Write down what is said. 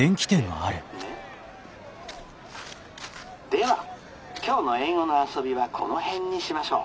・「では今日の英語の遊びはこの辺にしましょう。